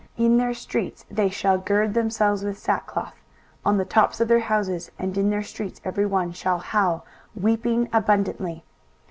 23:015:003 In their streets they shall gird themselves with sackcloth: on the tops of their houses, and in their streets, every one shall howl, weeping abundantly.